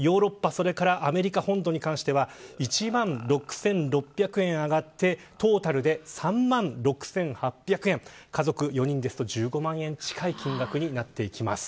それからアメリカ本土に関しては１万６６００円上がってトータルで３万６８００円家族４人だと１５万円近い金額になってきます。